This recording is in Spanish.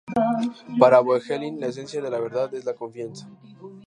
Para Voegelin, la esencia de la verdad es la confianza.